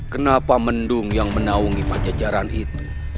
kenapa mendung yang menaungi pajajaran itu